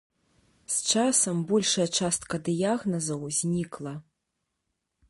З часам большая частка дыягназаў знікла.